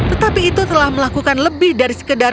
tetapi itu telah melakukan lebih dari sekedar